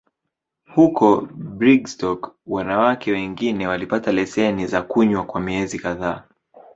Huko Brigstock, wanawake wengine walipata leseni za kunywa kwa miezi kadhaa.